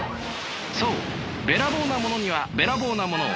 そうべらぼうなものにはべらぼうなものを。